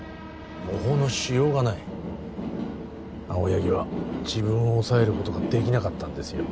模倣のしようがない青柳は自分を抑えることができなかったんですよ